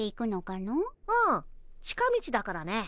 うん近道だからね。